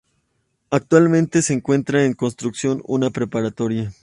Actualmente se encuentra en construcción una preparatoria.